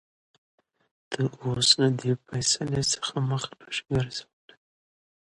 ته اوس له دې فېصلې څخه مخ نشې ګرځولى.